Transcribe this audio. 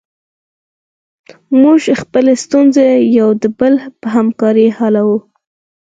موږ خپلې ستونزې یو د بل په همکاري حلوو.